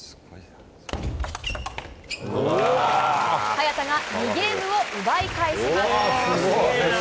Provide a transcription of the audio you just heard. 早田が２ゲームを奪い返します。